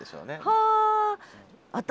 はあ。